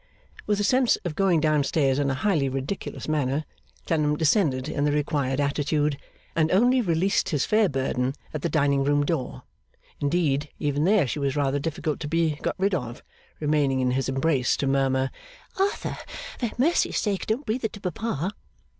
With a sense of going down stairs in a highly ridiculous manner, Clennam descended in the required attitude, and only released his fair burden at the dining room door; indeed, even there she was rather difficult to be got rid of, remaining in his embrace to murmur, 'Arthur, for mercy's sake, don't breathe it to papa!